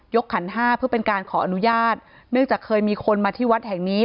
ขันห้าเพื่อเป็นการขออนุญาตเนื่องจากเคยมีคนมาที่วัดแห่งนี้